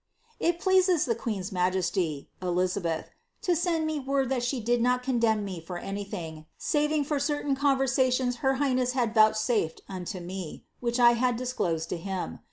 *' It pleased the queen's majesty iQiabeth) to send me word that she did not condemn mc for anything, nviug for certain conversations her highness had vouchsafed unto me, *bich I had disclosed to him.